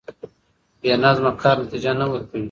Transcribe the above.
بې نظمه کار نتيجه نه ورکوي.